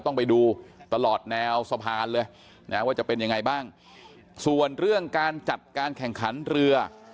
ต้องไปดูตลอดแนวสะพานเลยนะว่าจะเป็นยังไงบ้างส่วนเรื่องการจัดการแข่งขันเรือ